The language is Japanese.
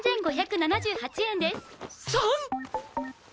３５７８円です。